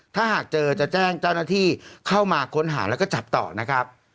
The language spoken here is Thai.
ถ้าหากเจอจะแจ้งเจ้าหน้าที่เข้ามาค้นหาแล้วก็จับต่อนะครับ